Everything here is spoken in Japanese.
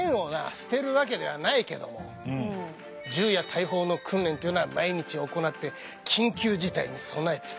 捨てるわけではないけども銃や大砲の訓練というのは毎日行って緊急事態に備えている。